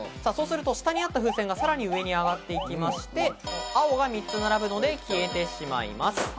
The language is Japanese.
下にあった風船がさらに上に上がっていきまして、青が３つ並ぶので消えてしまいます。